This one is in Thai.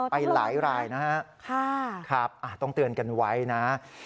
ไปหลายรายนะครับต้องเตือนกันไว้นะ